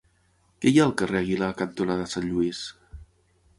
Què hi ha al carrer Aguilar cantonada Sant Lluís?